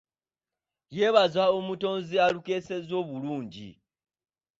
Yeebaza omutonzi alukeesezza obulungi.